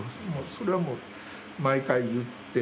それはもう毎回言って。